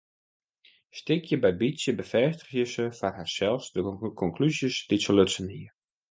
Stikje by bytsje befêstige se foar harsels de konklúzjes dy't se lutsen hie.